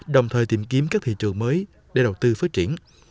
đồng thời tìm kiếm các thị trường mới để đầu tư phát triển